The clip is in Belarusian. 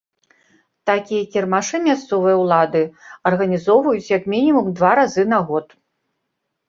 Такія кірмашы мясцовыя ўлады арганізоўваюць як мінімум два разы на год.